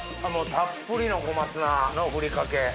たっぷりの小松菜のふりかけ。